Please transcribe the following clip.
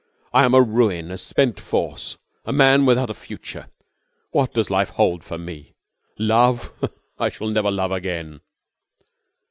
I am a ruin, a spent force, a man without a future! What does life hold for me? Love? I shall never love again.